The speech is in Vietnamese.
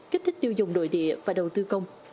kích thích tiêu dùng nội địa và đầu tư công